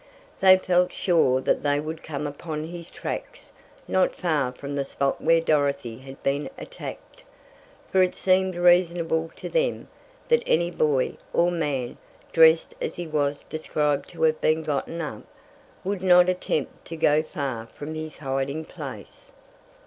They felt sure that they would come upon his tracks not far from the spot where Dorothy had been attacked, for it seemed reasonable to them, that any boy, or man, dressed as he was described to have been gotten up, would not attempt to go far from his hiding place.